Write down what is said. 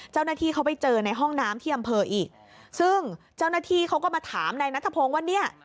เจ้าหน้าที่เขาไปเจอในห้องน้ำที่อำเภออีกซึ่งเจ้าหน้าที่เขาก็มาถามนายนัทพงศ์ว่าเนี่ย